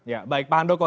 ya baik pak handoko